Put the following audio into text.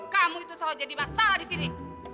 kamu itu soal jadi masalah disini